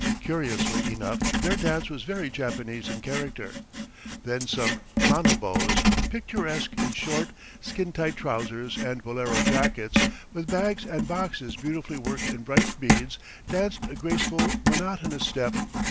Curiously enough, their dance was very Japanese in character. Then some Manobos, picturesque in short, skin tight trousers and bolero jackets, with bags and boxes beautifully worked in bright beads, danced a graceful, monotonous step.